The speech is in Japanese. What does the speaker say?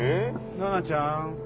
奈々ちゃん。